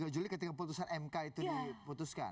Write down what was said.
dua puluh juli ketika putusan mk itu diputuskan